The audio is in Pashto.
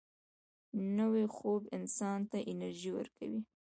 نوی خوب انسان ته انرژي ورکوي